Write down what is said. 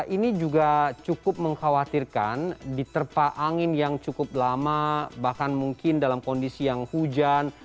ini juga cukup mengkhawatirkan diterpa angin yang cukup lama bahkan mungkin dalam kondisi yang hujan